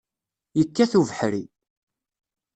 Yekkat ubeḥri.